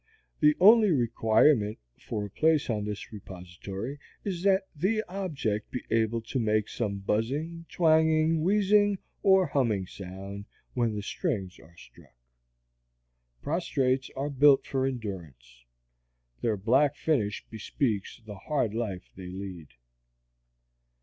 The only requirement for a place on this repository is that the object be able to make some buzzing, twanging, wheezing, or humming sound when the strings are struck. Prostrates are built for endurance. Their black finish bespeaks the hard life they lead.